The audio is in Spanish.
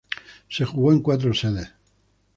Se jugó en cuatro sedes.